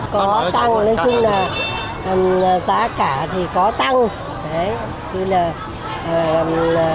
có tăng nói chung là giá cả thì có tăng